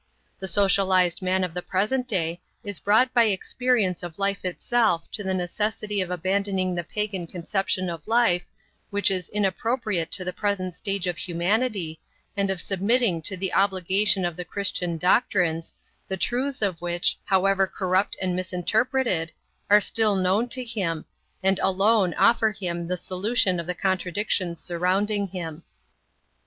The socialized man of the present day is brought by experience of life itself to the necessity of abandoning the pagan conception of life, which is inappropriate to the present stage of humanity, and of submitting to the obligation of the Christian doctrines, the truths of which, however corrupt and misinterpreted, are still known to him, and alone offer him a solution of the contradictions surrounding him.